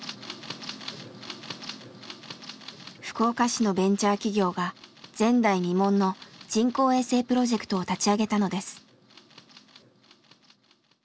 福岡市のベンチャー企業が前代未聞の人工衛星プロジェクトを立ち上げたのです。